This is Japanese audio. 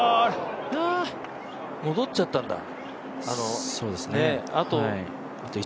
戻っちゃったんだ。